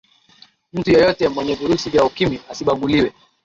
mtu yeyote mwenye virusi vya ukimwi asibaguliwe